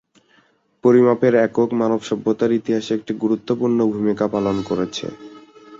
পরিমাপের একক মানব সভ্যতার ইতিহাসে একটি গুরুত্বপূর্ণ ভূমিকা পালন করেছে।